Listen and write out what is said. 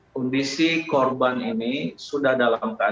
kondisi korban ini sudah dalam keadaan